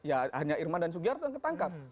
ya hanya irman dan sugiarto yang ketangkap